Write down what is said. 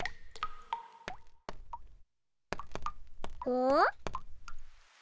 お？